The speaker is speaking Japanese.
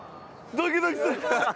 ドキドキする！